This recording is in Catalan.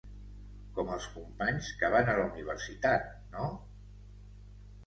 Com els companys que van a la universitat, no?